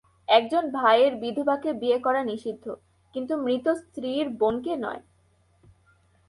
একজন ভাইয়ের বিধবাকে বিয়ে করা নিষিদ্ধ, কিন্তু মৃত স্ত্রীর বোনকে নয়।